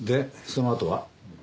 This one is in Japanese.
そのあと？